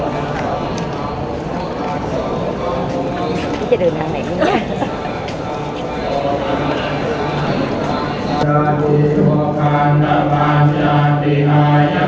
สุดท้ายเท่าไหร่สุดท้ายเท่าไหร่